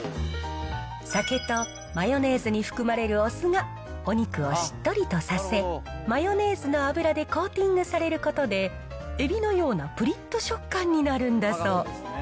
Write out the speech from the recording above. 酒とマヨネーズに含まれるお酢がお肉をしっとりとさせ、マヨネーズの油でコーティングされることで、エビのようなぷりっと食感になるんだそう。